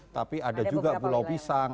tapi ada juga pulau pisang